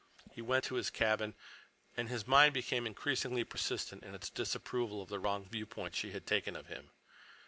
He went to his cabin, and his mind became increasingly persistent in its disapproval of the wrong viewpoint she had taken of him.